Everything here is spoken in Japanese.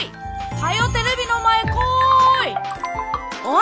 はよテレビの前来い！